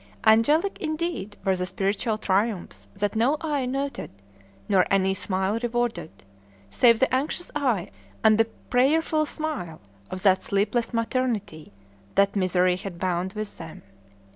Angelic indeed were the spiritual triumphs that no eye noted, nor any smile rewarded, save the anxious eye and the prayerful smile of that sleepless maternity that misery had bound with them.